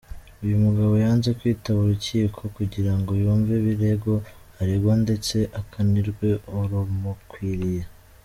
Uyu mugabo yanze kwitaba urukiko kugira ngo yumve ibirego aregwa ndetse akanirwe urumukwiriye.